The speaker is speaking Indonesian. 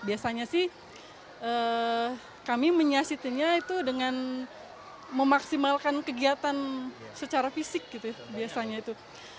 biasanya sih kami menyiasatinya itu dengan memaksimalkan kegiatan secara fisik gitu biasanya itu